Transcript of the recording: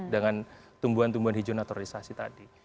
dengan tumbuhan tumbuhan hijau naturalisasi tadi